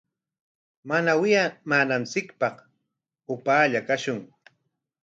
Mana wiyamananchikpaq upaallalla kashun.